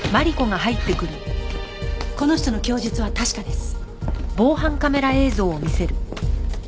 この人の供述は確かです。